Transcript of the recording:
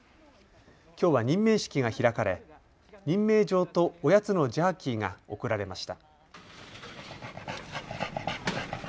きょうは任命式が開かれ、任命状とおやつのジャーキーが贈られました。